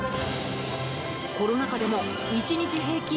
コロナ禍でも１日平均